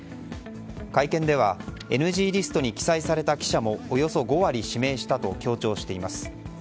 会見ではＮＧリストに記載された記者もおよそ５割指名したと強調しています。